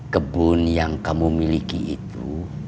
kebun yang kamu miliki itu